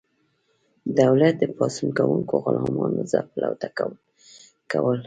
دولت د پاڅون کوونکو غلامانو ځپل او ټکول کول.